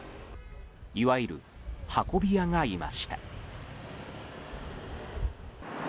いわゆる運び屋がいました。